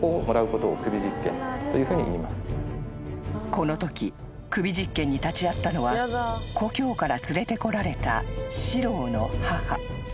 ［このとき首実検に立ち会ったのは故郷から連れてこられた四郎の母］